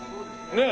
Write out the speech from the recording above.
ねえ。